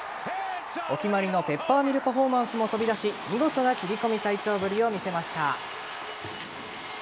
お決まりのペッパーミルパフォーマンスも飛び出し見事な切り込み隊長ぶりを見せました。